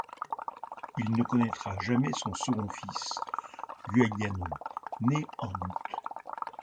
Il ne connaîtra jamais son second fils, Giuliano, né en août.